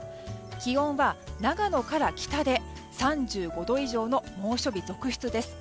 気温は、長野から北で３５度以上の猛暑日続出です。